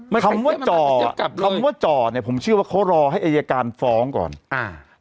คำว่าจ่อกับคำว่าจ่อเนี้ยผมเชื่อว่าเขารอให้อายการฟ้องก่อนอ่า